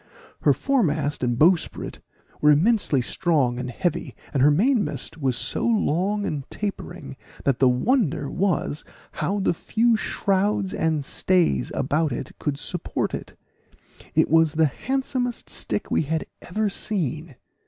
Her foremast and bowsprit were immensely strong and heavy, and her mainmast was so long and tapering, that the wonder was how the few shrouds and stays about it could support it; it was the handsomest stick we had ever seen.